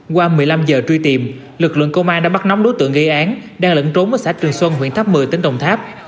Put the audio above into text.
qua một mươi năm giờ truy tìm lực lượng công an đã bắt nóng đối tượng gây án đang lẫn trốn ở xã trường xuân huyện tháp một mươi tỉnh đồng tháp